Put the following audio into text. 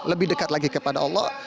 lebih dekat lagi kepada allah